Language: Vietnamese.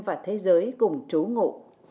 và thế giới cùng chú ngộ